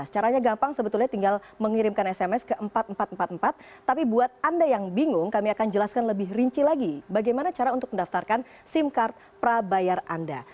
caranya gampang sebetulnya tinggal mengirimkan sms ke empat ribu empat ratus empat puluh empat tapi buat anda yang bingung kami akan jelaskan lebih rinci lagi bagaimana cara untuk mendaftarkan sim card prabayar anda